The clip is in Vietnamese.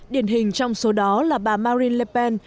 điển hình trong số đó là bà marine le pen